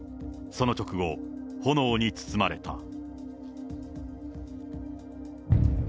その直後、炎に包まれた。